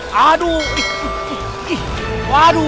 waduh gimana ini